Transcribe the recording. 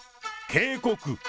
警告。